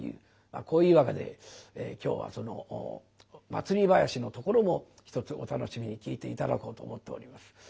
今日はその祭り囃子のところもひとつお楽しみに聴いて頂こうと思っております。